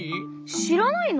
しらないの？